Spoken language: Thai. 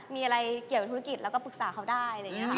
มีอะไรเกี่ยวกับธุรกิจแล้วก็ปรึกษาเขาได้อะไรอย่างนี้ค่ะ